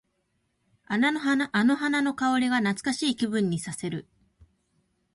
あの花の香りが懐かしい気分にさせる。